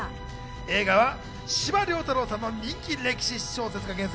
映画は司馬遼太郎さんの人気歴史小説が原作。